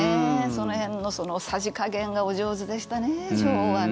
その辺のさじ加減がお上手でしたね、女王は。